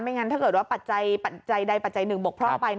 งั้นถ้าเกิดว่าปัจจัยใดปัจจัยหนึ่งบกพร่องไป